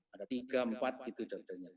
ada tiga empat gitu contohnya